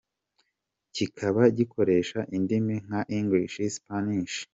C, kikaba gikoresha indimi nka English, Spanish.